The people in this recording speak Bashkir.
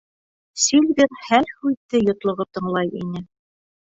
Сильвер һәр һүҙҙе йотлоғоп тыңлай ине.